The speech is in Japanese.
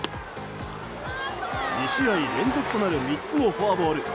２試合連続となる３つのフォアボール。